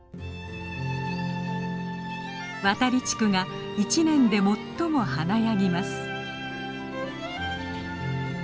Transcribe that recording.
渡利地区が一年で最も華やぎます。